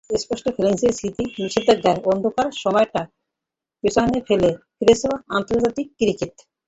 Spot ফিক্সিংয়ের স্মৃতি, নিষেধাজ্ঞার অন্ধকার সময়টা পেছনে ফেলে ফিরেছেন আন্তর্জাতিক ক্রিকেটে।